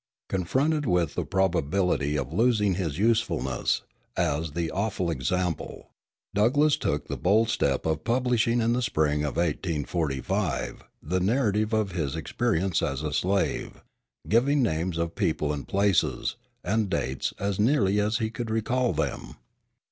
Confronted with the probability of losing his usefulness, as the "awful example," Douglass took the bold step of publishing in the spring of 1845 the narrative of his experience as a slave, giving names of people and places, and dates as nearly as he could recall them.